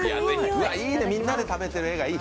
わ、いいね、みんなで食べてる画がいい。